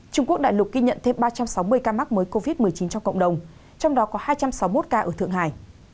trung quốc đại lục ghi nhận thêm ba trăm sáu mươi ca mắc mới covid một mươi chín trong cộng đồng trong đó có hai trăm sáu mươi một ca ở thượng hải